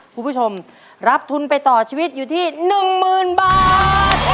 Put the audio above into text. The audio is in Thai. คุณผู้ชมรับทุนไปต่อชีวิตอยู่ที่๑๐๐๐บาท